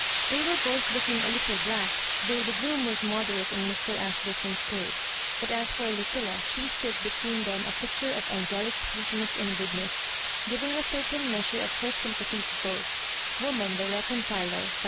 They were both looking a little black, though the gloom was moderate in Mr. Ashburton's case; but as for Lucilla, she stood between them a picture of angelic sweet ness and goodness, giving a certain measure of her sympathy to both — Woman the Reconciler, by.